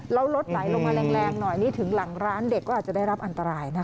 แล้วรถไหลลงมาแรงหน่อยนี่ถึงหลังร้านเด็กก็อาจจะได้รับอันตรายนะคะ